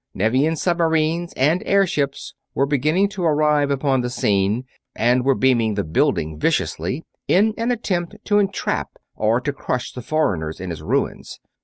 Nevian submarines and airships were beginning to arrive upon the scene, and were beaming the building viciously in an attempt to entrap or to crush the foreigners in its ruins.